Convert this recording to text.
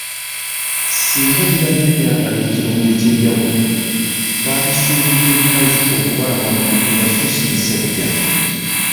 Singa bibadde byagala ekirungo ekyenjawulo, twandisuubidde bikazi okubanga mu bidiba so ssi bisajja.